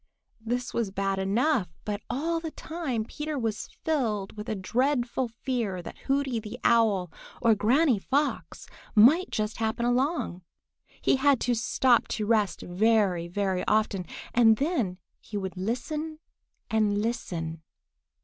This was bad enough, but all the time Peter was filled with a dreadful fear that Hooty the Owl or Granny Fox might just happen along. He had to stop to rest very, very often, and then he would listen and listen.